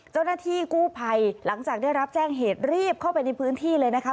เจ้าหน้าที่กู้ภัยหลังจากได้รับแจ้งเหตุรีบเข้าไปในพื้นที่เลยนะคะ